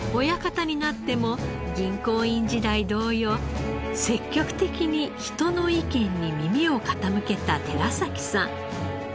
親方になっても銀行員時代同様積極的に人の意見に耳を傾けた寺崎さん。